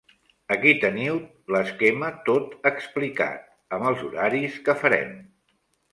Aquí teniu l'esquema tot explicat, amb els horaris que farem.